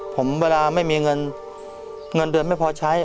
ผมเวลาไม่มีเงินเงินเดือนไม่พอใช้